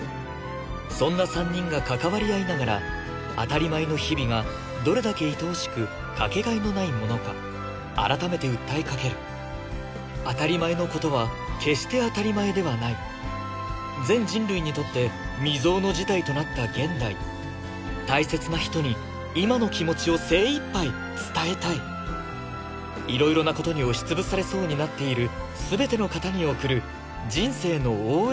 そんな３人が関わり合いながら当たり前の日々がどれだけいとおしくかけがえのないものか改めて訴えかける当たり前のことは決して当たり前ではない全人類にとって未曾有の事態となった現代いろいろなことに押しつぶされそうになっているすべての方に送る人生の応援